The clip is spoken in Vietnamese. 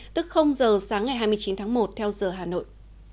tức giờ sáng ngày hai mươi chín tháng một theo giờ hà nội